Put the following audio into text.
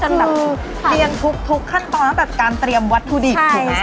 แบบเรียนทุกขั้นตอนตั้งแต่การเตรียมวัตถุดิบถูกไหม